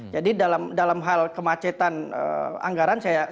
jadi dalam hal kemacetan anggaran